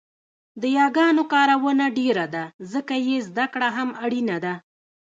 د یاګانو کارونه ډېره ده ځکه يې زده کړه هم اړینه ده